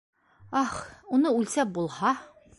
Ах, уны үлсәп булһа!